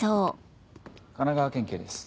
神奈川県警です